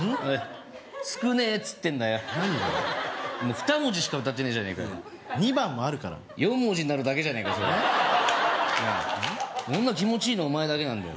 ２文字しか歌ってねえじゃねえか２番もあるから４文字になるだけじゃねえか気持ちいいのお前だけなんだよ